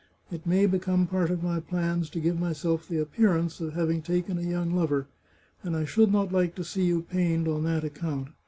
It may become part of my plans to give myself the appearance of having taken a young lover, and I should not like to see you pained on that account.